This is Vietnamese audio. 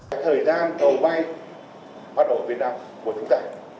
cái thời gian tàu bay bắt đầu ở việt nam của chúng ta